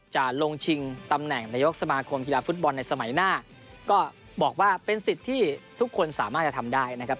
จะลงชิงตำแหน่งนายกสมาคมกีฬาฟุตบอลในสมัยหน้าก็บอกว่าเป็นสิทธิ์ที่ทุกคนสามารถจะทำได้นะครับ